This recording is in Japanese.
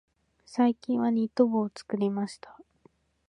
最近はニット帽を作りました。